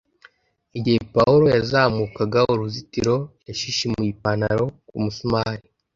Igihe Pawulo yazamukaga uruzitiro, yashishimuye ipantaro ku musumari